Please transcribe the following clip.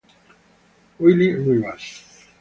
Willy Rivas